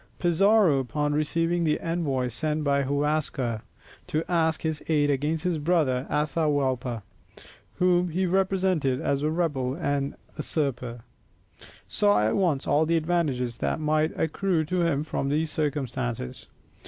Pizarro upon receiving the envoys sent by Huascar, to ask his aid against his brother Atahualpa, whom he represented as a rebel and usurper, saw at once all the advantages that might accrue to him from these circumstances.